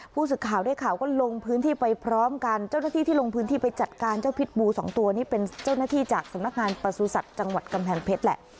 ผู้สื่อข่าวได้ข่าวก็ลงพื้นที่ไปพร้อมกันเจ้าหน้าที่ที่ลงพื้นที่ไปจัดการเจ้าพิษบูสองตัวนี่เป็นเจ้าหน้าที่จากสำนักงานประสุทธิ์จังหวัดกำแพงเพชรแหละ